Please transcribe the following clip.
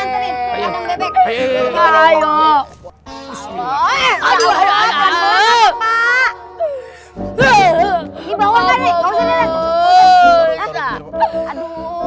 enggak nyala oh enggak juga ah padeh mati tapi nggak usah dilempar begitu astagfirullahaladzim